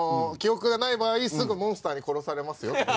記憶がない場合すぐモンスターに殺されますよ。